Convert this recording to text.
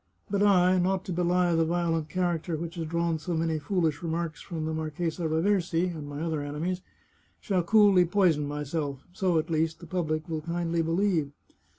But I, not to belie the violent character which has drawn so many foolish remarks from the Marchesa Raversi and my other enemies, shall coolly poison myself — so, at least, the public will kindly believe.